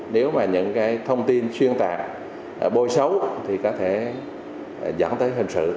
nếu mà những cái thông tin xuyên tạc bôi xấu thì có thể dẫn tới hình sự